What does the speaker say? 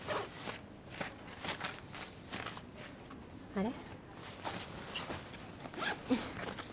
あれ？